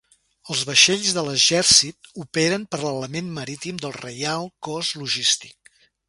Els vaixells de l'Exèrcit operen per l'element marítim del Reial Cos Logístic.